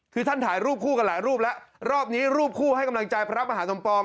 คือท่านถ่ายรูปคู่กันหลายรูปแล้วรอบนี้รูปคู่ให้กำลังใจพระมหาสมปอง